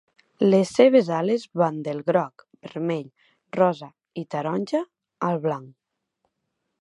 Les seves ales van del groc, vermell, rosa i taronja al blanc.